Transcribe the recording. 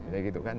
ya gitu kan